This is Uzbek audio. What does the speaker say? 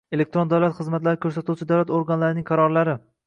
elektron davlat xizmatlari ko‘rsatuvchi davlat organlarining qarorlari